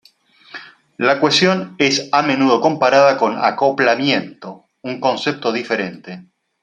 La cohesión es a menudo comparada con acoplamiento, un concepto diferente.